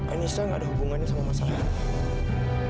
anissa gak ada hubungannya sama masalah ini